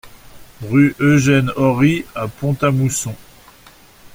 Rue Eugène Ory à Pont-à-Mousson